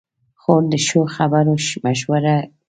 خور د ښو خبرو مشوره ورکوي.